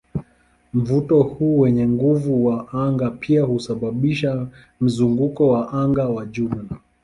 Mvuto huu wenye nguvu wa anga pia husababisha mzunguko wa anga wa jumla.